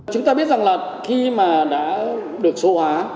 chúng ta biết rằng là khi mà đã được số hóa